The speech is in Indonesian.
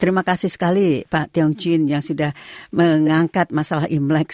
terima kasih sekali pak tiong chin yang sudah mengangkat masalah imlek